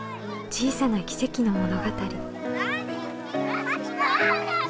小さな奇跡の物語。